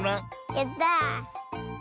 やった！